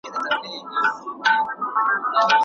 باید د هر ډول ناروغۍ په لومړیو کې ډاکټر ته مراجعه وکړو.